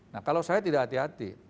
nah kalau saya tidak hati hati